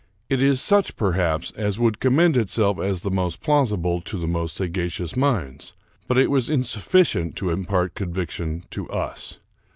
It is such, perhaps, as would commend itself as most plaus ible to the most sagacious minds ; but it was insufficient to impart conviction to us.